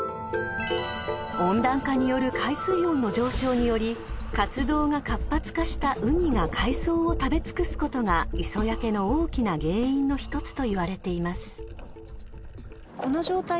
［温暖化による海水温の上昇により活動が活発化したウニが海藻を食べ尽くすことが磯焼けの大きな原因の一つといわれています］